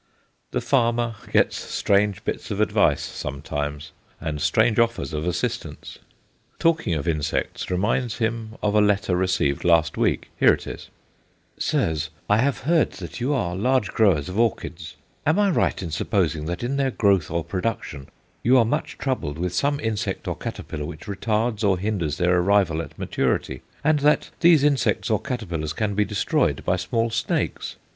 The farmer gets strange bits of advice sometimes, and strange offers of assistance. Talking of insects reminds him of a letter received last week. Here it is: SIRS, I have heard that you are large growers of orchids; am I right in supposing that in their growth or production you are much troubled with some insect or caterpillar which retards or hinders their arrival at maturity, and that these insects or caterpillars can be destroyed by small snakes?